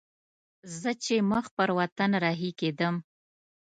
زه چې مخ پر وطن رهي کېدم.